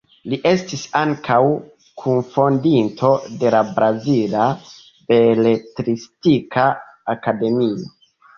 Li estis ankaŭ kunfondinto de la Brazila Beletristika Akademio.